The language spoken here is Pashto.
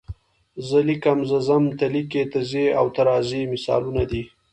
زه لیکم، زه ځم، ته لیکې، ته ځې او ته راځې مثالونه دي.